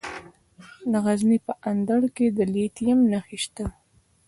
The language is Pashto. د غزني په اندړ کې د لیتیم نښې شته.